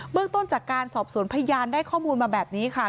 เรื่องต้นจากการสอบสวนพยานได้ข้อมูลมาแบบนี้ค่ะ